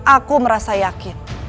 aku merasa yakin